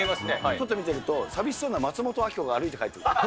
外見てると、寂しそうな松本明子が歩いて帰ってくる。